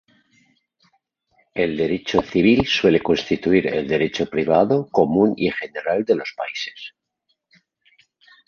El derecho civil suele constituir el derecho privado, común y general de los países.